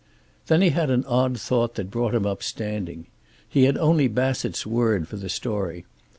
Then he had an odd thought, that brought him up standing. He had only Bassett's word for the story.